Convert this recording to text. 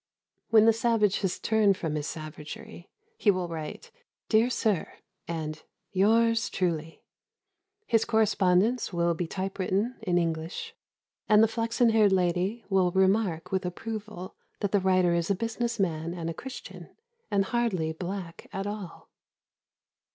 When the savage has turned from his savagery he will write "Dear sir," and "Yours truly"; his correspondence will be type written, in English, and the flaxen haired lady will remark with approval that the writer is a business man and a Christian, and hardly black at all.